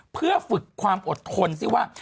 เพื่อฝึกความอดทนซิว่า